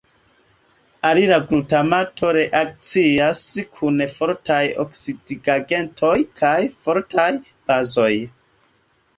Alila glutamato reakcias kun fortaj oksidigagentoj kaj fortaj bazoj.